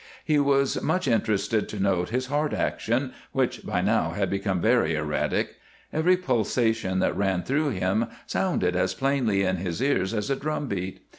He was much interested to note his heart action, which by now had become very erratic. Every pulsation that ran through him sounded as plainly in his ears as a drum beat.